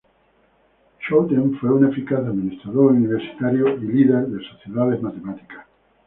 Schouten fue un eficaz administrador universitario y líder de sociedades matemáticas.